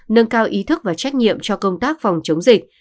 nâng cao ý thức và trách nhiệm cho công tác phòng chống dịch